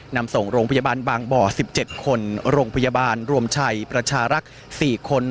นำส่งโรงพยาบาลบางบ่อ๑๗คนโรงพยาบาลรวมชัยประชารักษ์๔คน